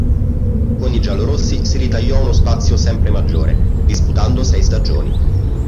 Con i giallorossi si ritagliò uno spazio sempre maggiore, disputando sei stagioni.